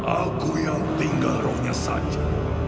aku yang tinggal rohnya saja